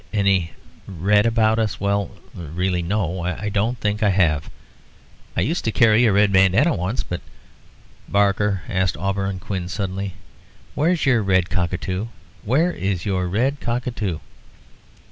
"Any red about us? well really no, I don't think I have I used to carry a red bandanna once, but " "Barker," asked Auberon Quin, suddenly, "where's your red cockatoo? Where's your red cockatoo?"